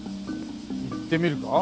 行ってみるか？